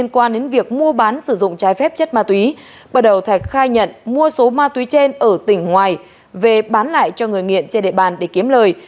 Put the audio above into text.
quan đến việc mua bán sử dụng trái phép chất ma túy bắt đầu thạch khai nhận mua số ma túy trên ở tỉnh ngoài về bán lại cho người nghiện trên địa bàn để kiếm lời